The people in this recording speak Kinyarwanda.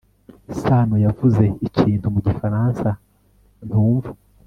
sano yavuze ikintu mu gifaransa ntumva